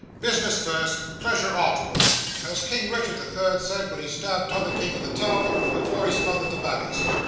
Business first, pleasure arterwards, as King Richard the Third said when he stabbed the t'other king in the Tower, afore he smothered the babbies.